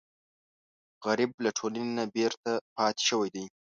غریب له ټولنې نه بېرته پاتې شوی وي